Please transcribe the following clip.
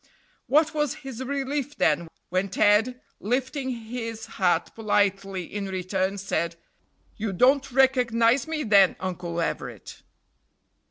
What was his relief, then, when Ted, lifting his hat politely in return, said: "You don't recognize me then, Uncle Everett?"